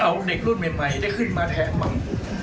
เอาเด็กรุ่นใหม่ได้ขึ้นมาแทนมัน